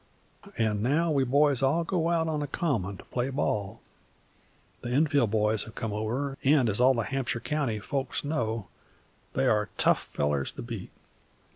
"An' now we boys all go out on the Common to play ball. The Enfield boys have come over, and, as all the Hampshire county folks know, they are tough fellers to beat.